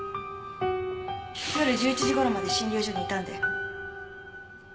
夜１１時頃まで診療所にいたんで。